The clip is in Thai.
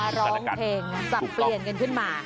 ร้องเพลงสับเปลี่ยนกันขึ้นมา